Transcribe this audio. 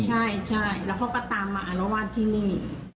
ใช่แล้วเขาก็ตามมาอารวาสที่นี่